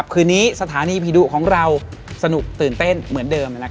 คืนนี้สถานีผีดุของเราสนุกตื่นเต้นเหมือนเดิม